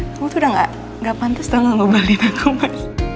kamu tuh udah gak pantas dong ngebahalin aku mas